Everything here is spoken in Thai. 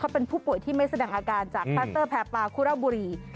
เป็นผู้ป่วยที่ไม่แสดงอาการจากคลัสเตอร์แพรปาคุระบุรี